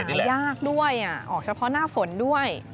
หายากด้วยออกเฉพาะหน้าฝนด้วย